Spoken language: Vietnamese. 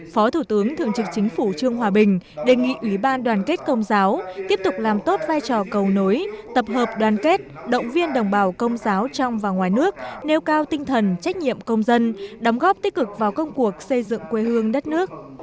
phó thủ tướng thường trực chính phủ trương hòa bình đề nghị ủy ban đoàn kết công giáo tiếp tục làm tốt vai trò cầu nối tập hợp đoàn kết động viên đồng bào công giáo trong và ngoài nước nêu cao tinh thần trách nhiệm công dân đóng góp tích cực vào công cuộc xây dựng quê hương đất nước